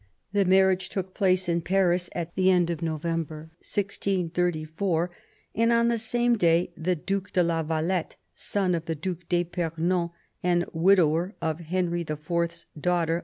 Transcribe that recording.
The marriage took place in Paris at the end of November 1634, and on the same day the Due de la Valette, son of the Due d'fipernon and widower of Henry IV.'s daughter.